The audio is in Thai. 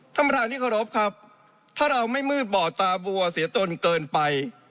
ท่านประธานที่เคารพครับถ้าเราไม่มืดบ่อตาบัวเสียตนเกินไป